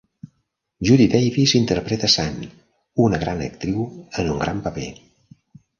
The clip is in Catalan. Judy Davis interpreta a Sand: una gran actriu en un gran paper.